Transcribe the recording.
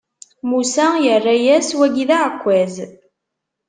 Musa yerra-as: Wagi d aɛekkaz.